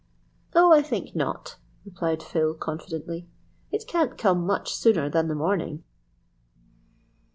"Oh, I think not," replied Phil confidently. "It can't come much sooner than the morning."